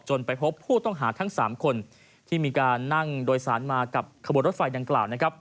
ไปพบผู้ต้องหาทั้ง๓คนที่มีการนั่งโดยสารมากับขบวนรถไฟดังกล่าวนะครับ